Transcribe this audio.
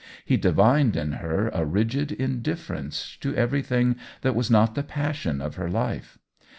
He divined in her a rigid indifference to everything that was not the passion of her life.